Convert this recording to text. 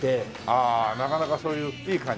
ああなかなかそういういい感じで。